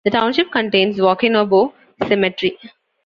The township contains Waukenabo Cemetery.